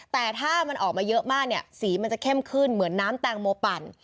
แต่ถ้ามันออกมาเยอะมากเนี่ยสีมันจะเข้มขึ้นเหมือนน้ำแตงโมปั่น